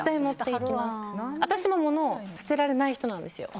私も物を捨てられない人なんです。